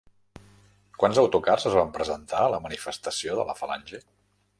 Quants autocars es van presentar a la manifestació de la Falange?